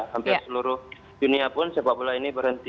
hampir seluruh dunia pun sepak bola ini berhenti